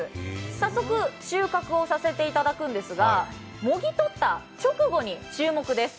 早速収穫をさせていただくんですがもぎ取った直後に注目です。